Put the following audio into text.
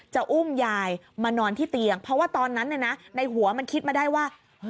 อุ้มยายมานอนที่เตียงเพราะว่าตอนนั้นในหัวมันคิดมาได้ว่า